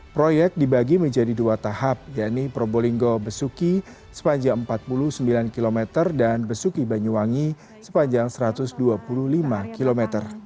proyek dibagi menjadi dua tahap yaitu probolinggo besuki sepanjang empat puluh sembilan km dan besuki banyuwangi sepanjang satu ratus dua puluh lima km